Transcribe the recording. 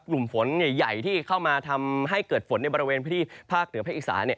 กลุ่มฝนใหญ่ที่เข้ามาทำให้เกิดฝนในบริเวณพื้นที่ภาคเหนือภาคอีสาน